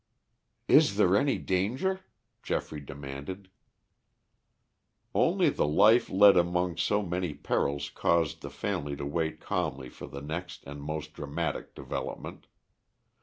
"Is there any danger?" Geoffrey demanded. Only the life led among so many perils caused the family to wait calmly for the next and most dramatic development.